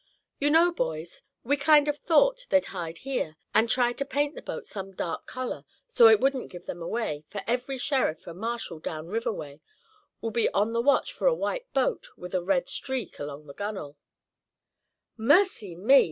You know, boys, we kind of thought they'd hide here, and try to paint the boat some dark color, so it wouldn't give them away; for every sheriff and marshal down river way will be on the watch for a white boat with a red streak along the gunnel." "Mercy me!